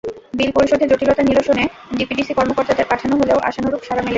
বিল পরিশোধে জটিলতা নিরসনে ডিপিডিসি কর্মকর্তাদের পাঠানো হলেও আশানুরূপ সাড়া মেলেনি।